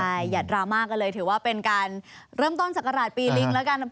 ใช่ยัดรามากก็เลยถือว่าเป็นการเริ่มต้นสักกระดาษปีลิงค์แล้วกันนะ